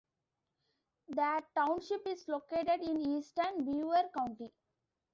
The township is located in eastern Beaver County.